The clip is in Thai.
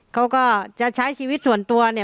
เขาก็จะใช้ชีวิตส่วนตัวเนี่ย